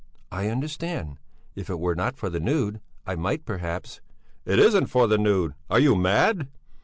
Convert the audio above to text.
I understand! If it were not for the nude, I might perhaps...." "It isn't for the nude! Are you mad?